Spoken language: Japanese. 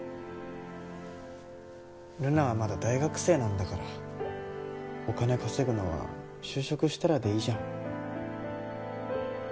留奈はまだ大学生なんだからお金稼ぐのは就職したらでいいじゃん。